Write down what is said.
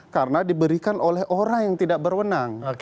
karena diberikan oleh orang yang tidak berwenang